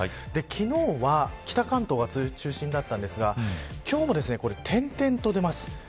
昨日は北関東が中心でしたが今日も点々と出ます。